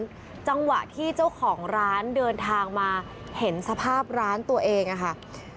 จังหวะที่เจ้าของร้านเดินทางมาเห็นสภาพร้านตัวเองอะค่ะ